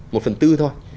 một phần tư thôi